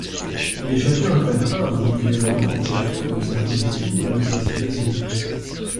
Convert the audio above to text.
Mais chacun attaquera individuellement en fonction de sa position et de sa situation.